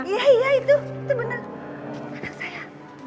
iya iya itu bener